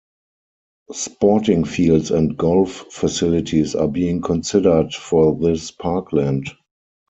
Sporting fields and golf facilities are being considered for this parkland.